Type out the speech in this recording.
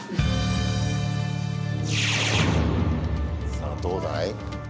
さあ、どうだい？